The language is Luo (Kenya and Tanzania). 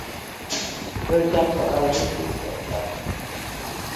Ne ochako ohala nikech nachako.